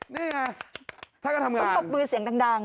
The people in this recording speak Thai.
นี่ไงถ้าเกิดทำงาน